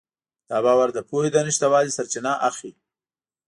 دا باور د پوهې له نشتوالي سرچینه اخلي.